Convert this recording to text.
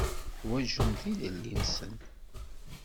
Ḥwaǧen tilelli-nsen.